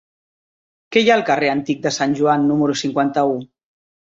Què hi ha al carrer Antic de Sant Joan número cinquanta-u?